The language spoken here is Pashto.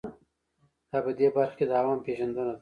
دا په دې برخه کې د عواملو پېژندنه ده.